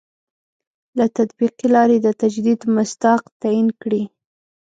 له تطبیقي لاري د تجدید مصداق تعین کړي.